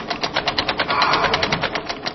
เท้า !